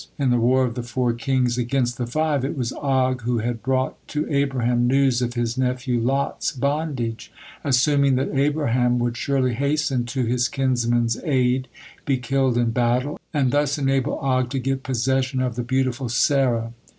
In the war of the four kings against the five, it was Og who had brought to Abraham news of his nephew Lot's bondage, assuming that Abraham would surely hasten to his kinsman's aid, be killed in battle, and thus enable Og to get possession of the beautiful Sarah.